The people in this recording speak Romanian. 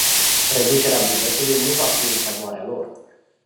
Reducerea bugetului nu va fi în favoarea lor.